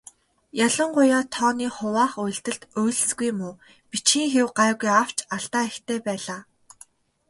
Ялангуяа тооны хуваах үйлдэлд үйлсгүй муу, бичгийн хэв гайгүй авч алдаа ихтэй байлаа.